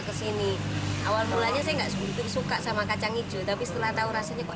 kesini awal mulanya saya enggak seperti suka sama kacang hijau tapi saya masih suka dengan kacang hijau ini